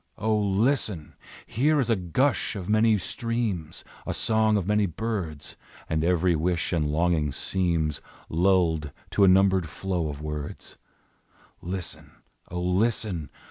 O, listen! Here is a gush of many streams, A song of many birds, And every wish and longing seems Lulled to a numbered flow of words, Listen! O, listen!